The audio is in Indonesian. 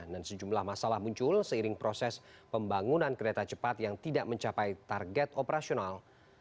dan sejumlah masalah muncul seiring proses pembangunan kereta cepat yang tidak mencapai target operasional